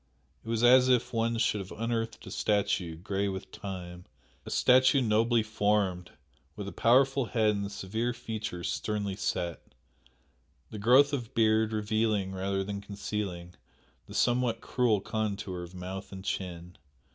It was as if one should have unearthed a statue, grey with time a statue nobly formed, with a powerful head and severe features sternly set, the growth of beard revealing, rather than concealing, the somewhat cruel contour of mouth and chin.